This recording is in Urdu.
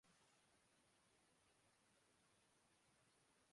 چنانچہ اب فتوے کا مطلب ہی علما کی طرف سے